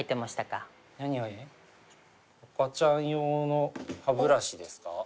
赤ちゃん用の歯ブラシですか？